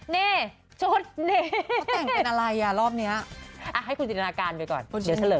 เน่ชดเน่เขาแต่งเป็นอะไรอ่ะรอบเนี้ยอ่ะให้คุณจิตนาการดูก่อนเดี๋ยวเฉลย